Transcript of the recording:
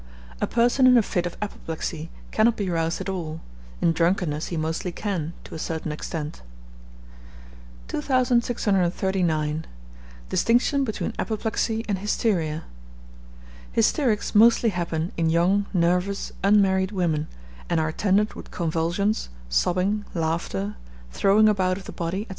A person in a fit of apoplexy cannot be roused at all; in drunkenness he mostly can, to a certain extent. 2639. Distinction between Apoplexy and Hysteria. Hysterics mostly happen in young, nervous, unmarried women; and are attended with convulsions, sobbing, laughter, throwing about of the body, &c.